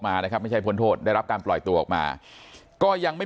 มานะครับไม่ใช่พ้นโทษได้รับการปล่อยตัวออกมาก็ยังไม่